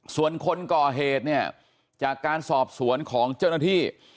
ส่วนคนก่อเหตุเนี่ยจากการสอบสวนของเจ้าหน้าที่